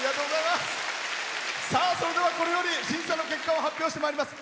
それでは、これより審査の結果を発表してまいります。